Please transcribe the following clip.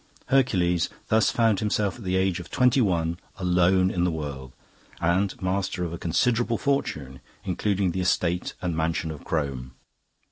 "Hercules thus found himself at the age of twenty one alone in the world, and master of a considerable fortune, including the estate and mansion of Crome.